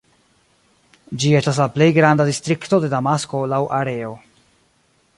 Ĝi estas la plej granda distrikto de Damasko laŭ areo.